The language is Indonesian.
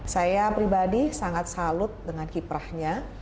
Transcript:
saya pribadi sangat salut dengan kiprahnya